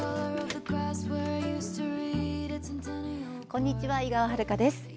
こんにちは、井川遥です。